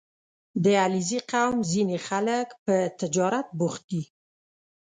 • د علیزي قوم ځینې خلک په تجارت بوخت دي.